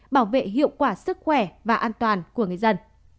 bảo vệ hiệu quả sức khỏe và an toàn của người dân